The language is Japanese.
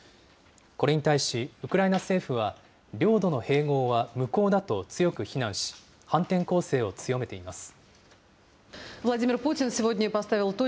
これに対しウクライナ政府は、領土の併合は無効だと強く非難し、反転攻勢を強めています。